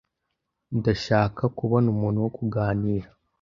Ndashaka kubona umuntu wo kuganira.